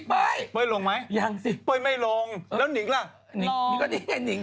พี่นิ่งมีน้องให้น้องนี้ดีแล้วดีใจอย่างนี้นะ